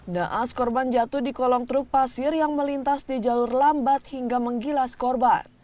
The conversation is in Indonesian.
naas korban jatuh di kolong truk pasir yang melintas di jalur lambat hingga menggilas korban